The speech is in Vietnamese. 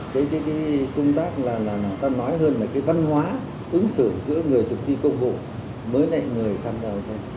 cái công tác là người ta nói hơn là cái văn hóa ứng xử giữa người thực thi công vụ mới này người tham gia